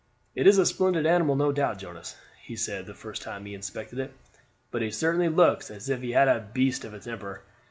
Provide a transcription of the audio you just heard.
"It is a splendid animal, no doubt, Jonas," he said the first time he inspected it; "but he certainly looks as if he had a beast of a temper.